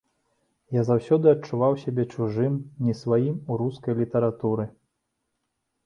Я заўсёды адчуваў сябе чужым, не сваім у рускай літаратуры.